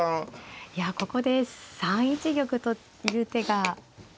いやここで３一玉という手が。